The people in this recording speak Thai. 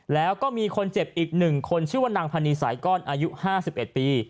แล้วก็มีคนเจ็บอีก๑คนชื่อว่านางพันนีสายก้อนอายุ๕๑ปี